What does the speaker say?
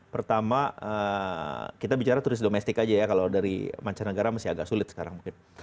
pertama kita bicara turis domestik aja ya kalau dari mancanegara masih agak sulit sekarang mungkin